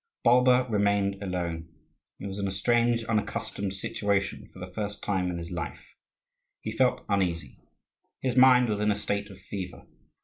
Bulba remained alone. He was in a strange, unaccustomed situation for the first time in his life; he felt uneasy. His mind was in a state of fever.